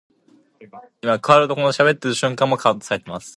Although popular in the Saint Louis area, Provel is rarely used elsewhere.